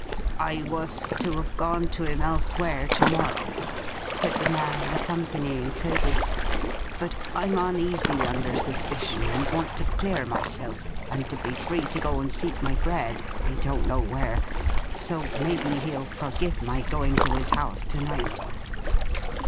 'I was to have gone to him elsewhere to morrow,' said the man, accompanying Toby, 'but I'm uneasy under suspicion, and want to clear myself, and to be free to go and seek my bread—I don't know where. So, maybe he'll forgive my going to his house to night.